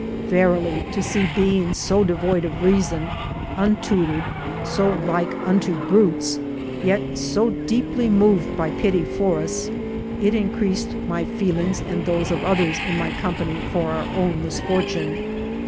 Verily, to see beings so devoid of reason, untutored, so like unto brutes, yet so deeply moved by pity for us, it increased my feel ings and those of others in my company for our own misfortune.